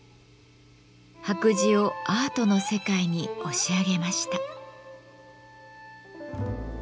白磁をアートの世界に押し上げました。